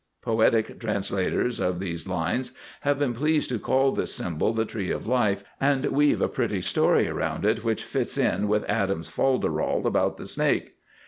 Poetic translators of these lines have been pleased to call this symbol "The Tree of Life," and weave a pretty story around it which fits in with Adam's folderol about the snake.